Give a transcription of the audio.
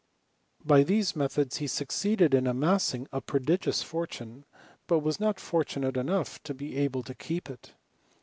By these methods he succeeded in amassing a prodigious fortune, but was not fortunate enough to be able to keep it.